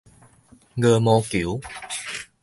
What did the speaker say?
鵝毛球